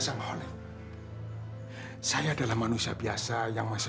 jangan lari lagi